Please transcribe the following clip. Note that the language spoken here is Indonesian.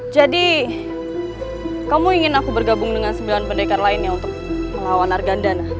jadi kamu ingin aku bergabung dengan sembilan pendekar lainnya untuk melawan argandana